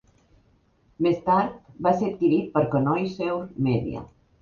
Més tard va ser adquirit per Connoisseur Media.